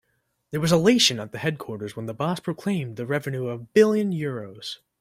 There was elation at the headquarters when the boss proclaimed the revenue of a billion euros.